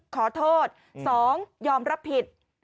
ขอโทษ๒ยอมรับผิด